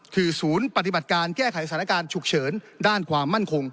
คือศูนย์ปฏิบัติการแก้ไขสถานการณ์ฉุกเฉินด้านความมั่นคง